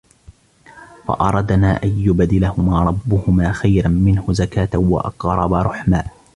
فَأَرَدْنَا أَنْ يُبْدِلَهُمَا رَبُّهُمَا خَيْرًا مِنْهُ زَكَاةً وَأَقْرَبَ رُحْمًا